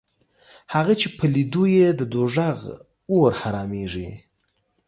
هغه چې په لیدو یې د دوزخ اور حرامېږي